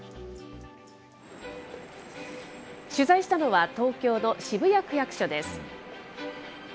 取材したのは、東京の渋谷区役所です。